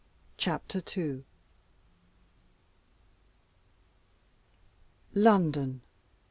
CHAPTER II. London!